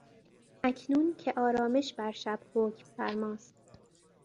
اکنون که آرامش بر شب حکفرماست